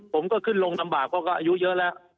ผมก็ขึ้นลงลำบากเพราะก็อายุเยอะแล้ว